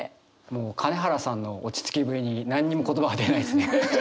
もう金原さんの落ち着きぶりに何にも言葉が出ないですね。